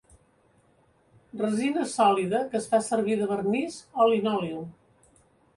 Resina sòlida que es fa servir de vernís o linòleum.